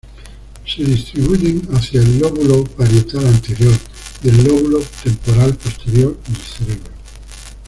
Se distribuyen hacia el "lóbulo parietal anterior" y el "lóbulo temporal posterior" del cerebro.